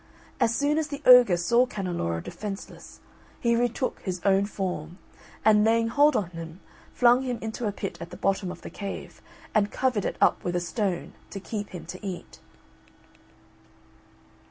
As soon as the ogre saw Canneloro defenceless, he re took his own form, and laying hold on him, flung him into a pit at the bottom of the cave, and covered it up with a stone to keep him to eat.